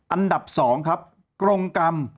อันดับ๒กรงกรรม